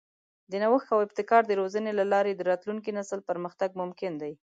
د نوښت او ابتکار د روزنې له لارې د راتلونکي نسل پرمختګ ممکن دی.